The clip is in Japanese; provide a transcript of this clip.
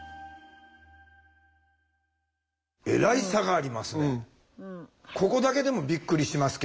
えらい差がありますね。